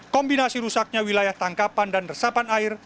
kombinasi rusaknya wilayah tangkapan dan resapan air